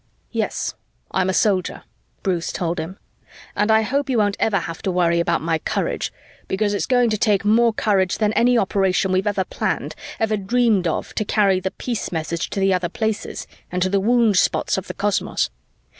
"Yes, I'm a Soldier," Bruce told him, "and I hope you won't ever have to worry about my courage, because it's going to take more courage than any operation we've ever planned, ever dreamed of, to carry the peace message to the other Places and to the wound spots of the cosmos.